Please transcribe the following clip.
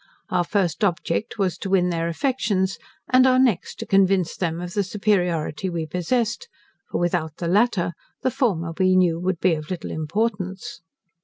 Our first object was to win their affections, and our next to convince them of the superiority we possessed: for without the latter, the former we knew would be of little importance.